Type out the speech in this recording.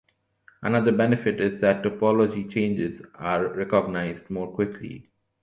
Another benefit is that topology changes are recognized more quickly.